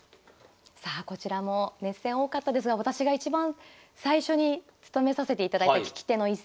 さあこちらも熱戦多かったですが私がいちばん最初に務めさせていただいた聞き手の一戦。